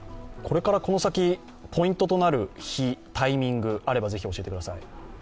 これからこの先、ポイントとなる日、タイミングがあれば、ぜひ、教えてください。